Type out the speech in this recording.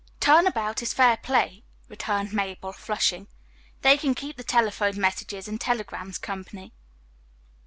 "Turn about is fair play," returned Mabel, flushing. "They can keep the telephone messages and telegrams company."